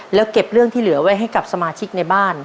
แล้วเก็บเรื่องที่เหลือไว้ให้กับสมาชิกในบ้าน